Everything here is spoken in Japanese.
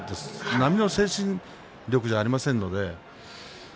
並の精神力ではありませんね。